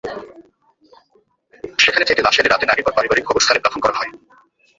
সেখান থেকে লাশ এনে রাতে নাগিরপাড় পারিবারিক কবরস্থানে দাফন করা হয়।